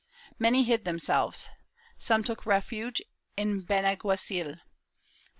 ^ Many hid themselves; some took refuge in Benaguacil ' Sayas, cap.